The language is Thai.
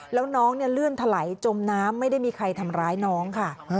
แล้วน้องลื่นถลายจมน้ำไม่ได้มีใครทำร้ายน้องค่ะ